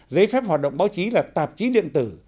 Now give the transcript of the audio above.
giấy phép hoạt động báo chí là tạp chí điện tử